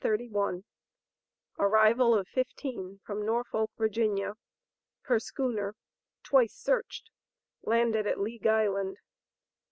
ARRIVAL OF FIFTEEN FROM NORFOLK, VIRGINIA. PER SCHOONER TWICE SEARCHED LANDED AT LEAGUE ISLAND.